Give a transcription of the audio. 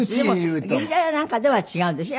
劇団やなんかでは違うんでしょ？